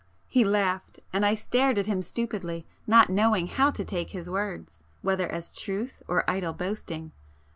He laughed,—and I stared at him stupidly, not knowing how to take his words, whether as truth or idle boasting.